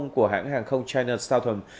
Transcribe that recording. của hãng hàng không china southern